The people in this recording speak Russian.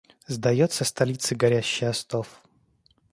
Сдается столицы горящий остов.